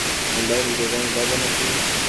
انلاين ويډيوګانې دا بڼه ښيي.